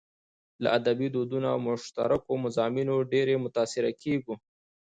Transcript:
له ادبي دودونو او مشترکو مضامينو ډېر متاثره کېږو.